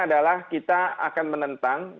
adalah kita akan menentang